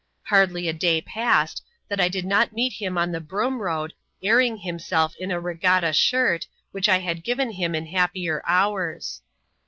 Hardly a day passed, that I did not meet him on the Broom Road, airing himself in a B^atta shirt, which I had given him in happier hours.